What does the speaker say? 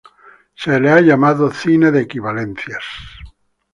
Se le ha llamado "cine de equivalencias".